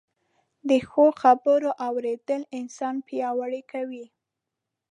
د ښو خبرو اورېدل انسان پياوړی کوي